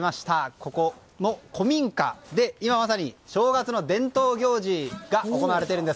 ここの古民家で今まさに正月の伝統行事が行われているんです。